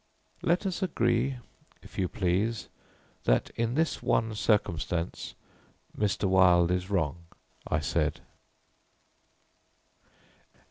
"Let us agree, if you please, that in this one circumstance Mr. Wilde is wrong," I said.